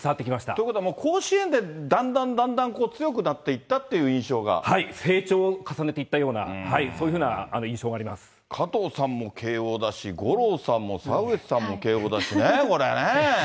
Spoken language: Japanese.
ということは甲子園でだんだんだんだんこう、強くなっていっ成長を重ねていったような、加藤さんも慶応だし、五郎さんも澤口さんも慶応だしね、これね。